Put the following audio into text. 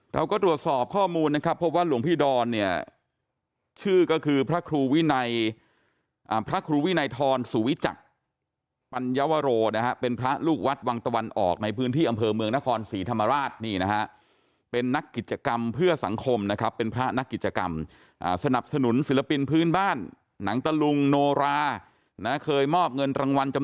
เราก็ตรวจสอบข้อมูลนะครับพบว่าหลวงพี่ดอนเนี่ยชื่อก็คือพระครูวินัยพระครูวินัยทรสุวิจักรปัญวโรนะฮะเป็นพระลูกวัดวังตะวันออกในพื้นที่อำเภอเมืองนครศรีธรรมราชนี่นะฮะเป็นนักกิจกรรมเพื่อสังคมนะครับเป็นพระนักกิจกรรมสนับสนุนศิลปินพื้นบ้านหนังตะลุงโนรานะเคยมอบเงินรางวัลจำ